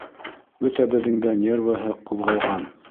Бөтәбеҙҙең дә нервыһы ҡуҙғалған.